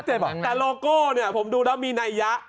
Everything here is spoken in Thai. แต่โลโก้เนี่ยมีนายะ